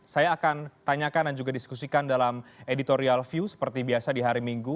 saya akan tanyakan dan juga diskusikan dalam editorial view seperti biasa di hari minggu